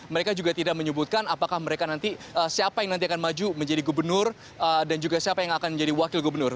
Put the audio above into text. mereka juga tidak menyebutkan apakah mereka nanti siapa yang nanti akan maju menjadi gubernur dan juga siapa yang akan menjadi wakil gubernur